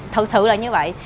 thật sự là như vậy